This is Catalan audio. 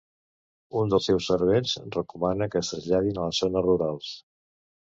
Un dels seus servents recomana que es traslladin a les zones rurals.